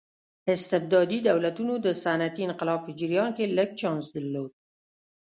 استبدادي دولتونو د صنعتي انقلاب په جریان کې لږ چانس درلود.